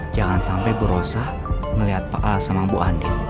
jangan sampai berosah melihat pak al sama bu andi